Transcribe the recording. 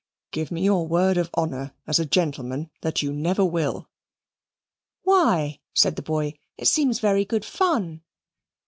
"Give me your word of honour as a gentleman that you never will." "Why?" said the boy; "it seems very good fun."